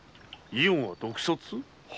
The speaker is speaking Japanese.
伊予が毒殺⁉